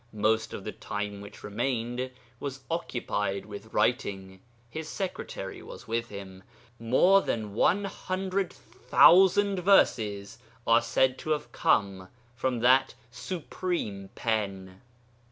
Most of the time which remained was occupied with writing (his secretary was with him); more than 100,000 'verses' are said to have come from that Supreme Pen.